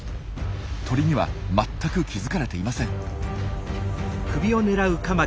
鳥には全く気付かれていません。